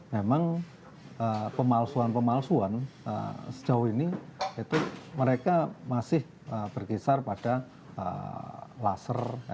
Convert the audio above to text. memang pemalsuan pemalsuan sejauh ini itu mereka masih berkisar pada laser